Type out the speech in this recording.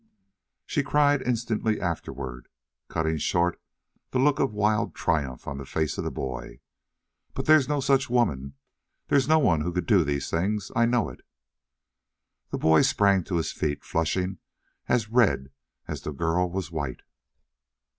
She cried instantly afterward, cutting short the look of wild triumph on the face of the boy: "But there's no such woman; there's no one who could do these things! I know it!" The boy sprang to his feet, flushing as red as the girl was white.